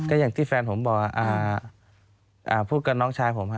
ก็อย่างที่แฟนผมบอกพูดกับน้องชายผม